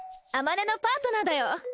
あまねのパートナーだよ。